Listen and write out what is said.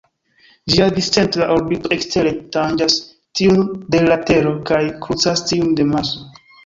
Ĝia discentra orbito ekstere tanĝas tiun de la Tero kaj krucas tiun de Marso.